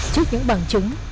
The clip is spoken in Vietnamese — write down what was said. trước những bằng chứng